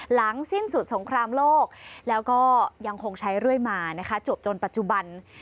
หลังสิ้นสุดสงครามโลกแล้วก็ยังคงใช้เรื่อยมานะคะจวบจนปัจจุบัน